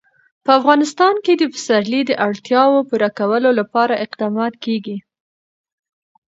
په افغانستان کې د پسرلی د اړتیاوو پوره کولو لپاره اقدامات کېږي.